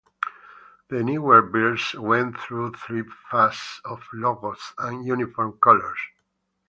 The Newark Bears went through three phases of logos and uniform colors.